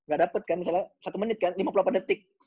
gak dapat kan misalnya satu menit kan lima puluh delapan detik